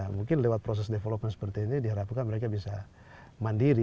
mungkin lewat proses development seperti ini diharapkan mereka bisa mandiri